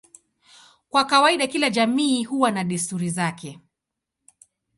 Kwa kawaida kila jamii huwa na desturi zake.